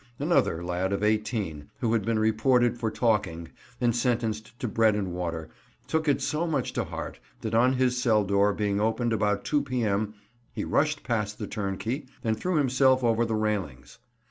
Another lad of 18, who had been reported for talking, and sentenced to bread and water, took it so much to heart that on his cell door being opened about 2 P.M. he rushed past the turnkey, and threw himself over the railings.